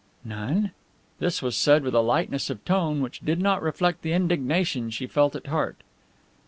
"None." This was said with a lightness of tone which did not reflect the indignation she felt at heart.